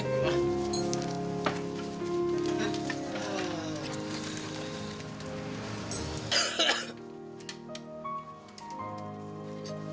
ini kan punya pak udin